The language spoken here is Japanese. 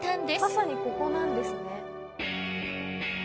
まさにここなんですね。